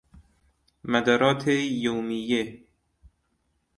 مدرات یومیه